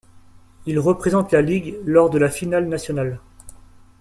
Il représente la Ligue lors de la finale nationale.